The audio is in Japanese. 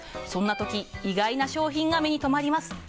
そんな時、意外な商品が目に留まります。